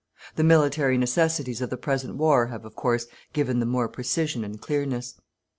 The military necessities of the present war have, of course, given them more precision and clearness.